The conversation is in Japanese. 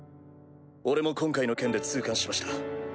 俺も今回の件で痛感しました。